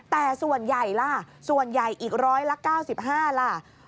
แต่ส่วนใหญ่ล่ะส่วนใหญ่อีกร้อยละ๙๕ล่ะ